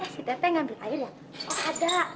si dateng ambil air ya